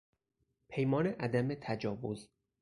پیمان عدم تجاوز